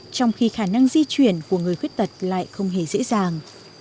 trong khi khả năng di chuyển của người khuyết tật lại không hề dễ dàng